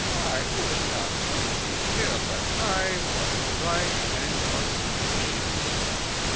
I would not take thee till the time was ripe and auspicious.